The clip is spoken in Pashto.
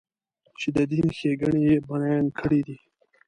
چې د دین ښېګڼې یې بیان کړې دي.